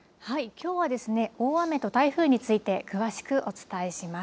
きょうはですね大雨と台風について詳しくお伝えします。